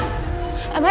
itu goreng sampe ga ada